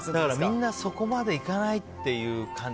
みんなそこまでいかないっていう感じ。